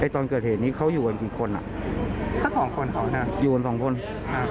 ตอนเกิดเหตุนี้เขาอยู่กันกี่คนอ่ะก็สองคนเขาน่ะอยู่กันสองคนอ่า